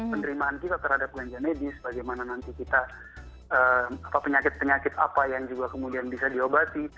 penerimaan kita terhadap belanja medis bagaimana nanti kita penyakit penyakit apa yang juga kemudian bisa diobati